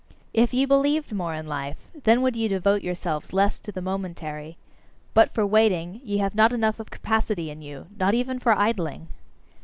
If ye believed more in life, then would ye devote yourselves less to the momentary. But for waiting, ye have not enough of capacity in you nor even for idling!